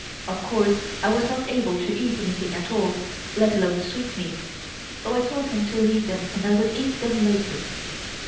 Of course I was not able to eat anything at all, let alone sweetmeats, so I told him to leave them and I would eat them later.